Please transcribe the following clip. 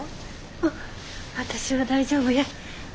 あっ私は大丈夫や。